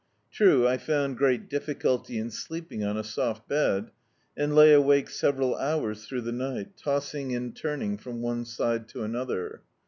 True, I found great difficulty in sleeping <m a soft bed, and lay awake several hours through the ni^t, tossing and turning from one side to another.